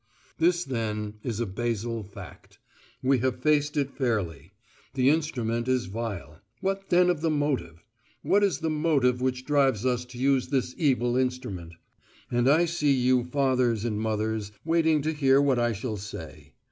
This then is a basal fact. We have faced it fairly. The instrument is vile. What then of the motive? What is the motive which drives us to use this evil instrument? And I see you fathers and mothers waiting to hear what I shall say.